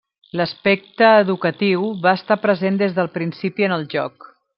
L'aspecte educatiu va estar present des del principi en el joc.